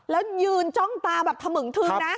แล้วยืนจ้องตาแบบถมึงทึงนะ